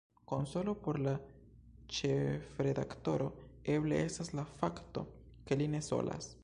Konsolo por la ĉefredaktoro eble estas la fakto, ke li ne solas.